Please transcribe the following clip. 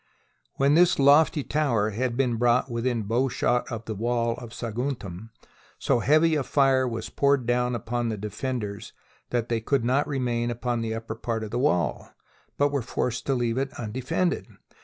When this lofty tower had been brought within bow shot of the wall of Saguntum, so heavy a fire was poured down upon the defenders that they could not remain upon the upper part of the wall, but were forced to leave it undefended.